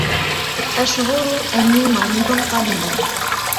أشعر أنّي مريض قليلا.